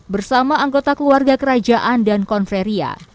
bersama anggota keluarga kerajaan dan konferia